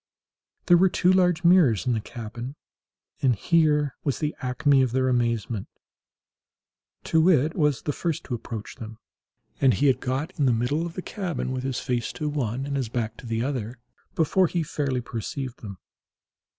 There were two large mirrors in the cabin, and here was the acme of their amazement. Too wit was the first to approach them, and he had got in the middle of the cabin, with his face to one and his back to the other, before he fairly perceived them.